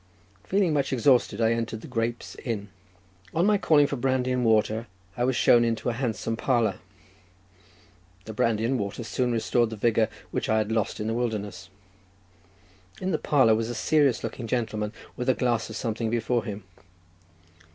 Feeling much exhausted, I entered the Grapes Inn. On my calling for brandy and water, I was shown into a handsome parlour. The brandy and water soon restored the vigour which I had lost in the wilderness. In the parlour was a serious looking gentleman, with a glass of something before him.